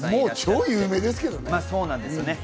超有名ですけどね。